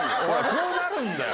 こうなるんだよ。